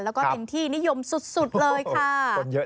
แล้วก็เป็นที่นิยมสุดเลยค่ะ